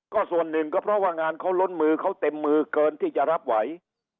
ก็ส่วนหนึ่งก็เพราะว่างานเขาล้นมือเขาเต็มมือเกินที่จะรับไหว